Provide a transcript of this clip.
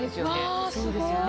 そうですよね。